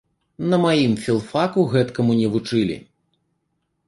На маім філфаку гэткаму не вучылі.